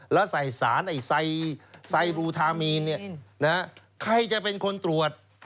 แล้วใส่สารไอ้ไซบลูทามีนใครจะเป็นคนตรวจ